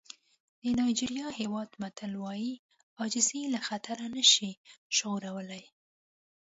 د نایجېریا هېواد متل وایي عاجزي له خطر نه شي ژغورلی.